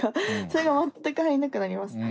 それが全く入んなくなりますね。